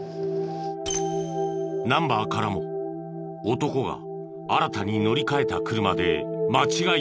ナンバーからも男が新たに乗り換えた車で間違いない。